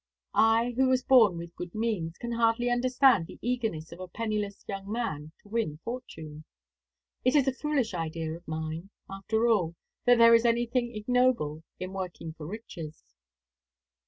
"I, who was born with good means, can hardly understand the eagerness of a penniless young man to win fortune. It is a foolish idea of mine, after all, that there is anything ignoble in working for riches."